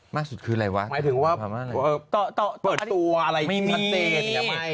มากสุดคืออะไรวะประมาณอะไรมายธึงว่าเปิดตัวคั้นเตยอย่างนี้หนะ